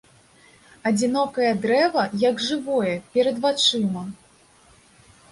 Адзінокае дрэва, як жывое, перад вачыма.